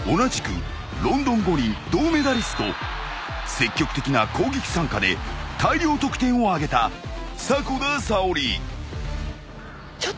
［積極的な攻撃参加で大量得点を挙げた迫田さおり］